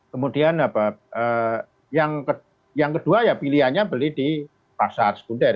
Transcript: kemudian yang kedua ya pilihannya beli di pasar sekunder